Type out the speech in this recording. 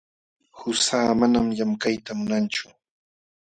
Qusaa manam llamkayta munanchu.